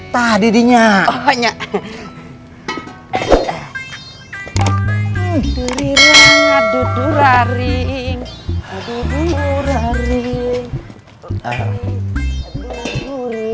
tadi di nyak